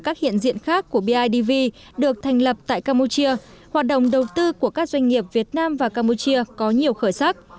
các hiện diện khác của bidv được thành lập tại campuchia hoạt động đầu tư của các doanh nghiệp việt nam và campuchia có nhiều khởi sắc